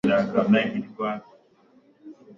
Kuanguka ghafla